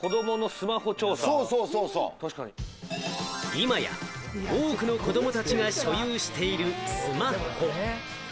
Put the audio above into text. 今や多くの子供たちが所有しているスマホ。